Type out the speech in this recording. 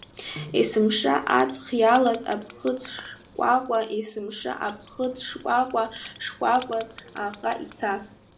Есымша аҵых иалаз аԥхыӡшкәакәа, есымша аԥхыӡшкәакәа, шкәакәаз аӷа ицас.